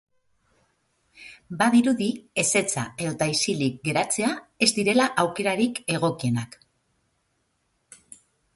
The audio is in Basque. Badirudi, ezetza edota isilik geratzea ez direla aukerarik egokienak.